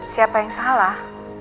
siapa yang salah